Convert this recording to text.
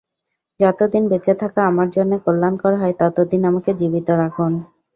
যতদিন বেঁচে থাকা আমার জন্যে কল্যাণকর হয় ততদিন আমাকে জীবিত রাখুন!